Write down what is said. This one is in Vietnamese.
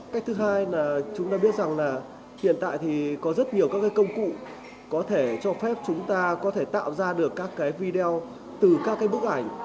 cách thứ hai là chúng ta biết rằng là hiện tại thì có rất nhiều các cái công cụ có thể cho phép chúng ta có thể tạo ra được các cái video từ các cái bức ảnh